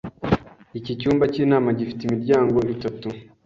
Iki cyumba cyinama gifite imiryango itatu.